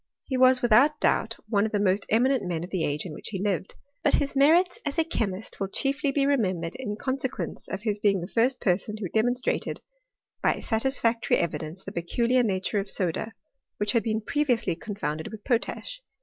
He was without doubt one of the most eminent men of the age in which he lived ; but his merits as a che mist will chiefly be remembered in consequence of hii being the first person who demonstrated by satisfac tory evidence the peculiar nature of soda, which had been previously confounded with potash.